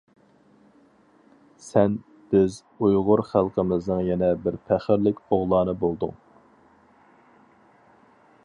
سەن بىز ئۇيغۇر خەلقىمىزنىڭ يەنە بىر پەخىرلىك ئوغلانى بولدۇڭ، ،،!